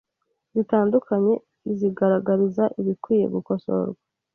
zitandukanye izigaragariza ibikwiye gukosorwa.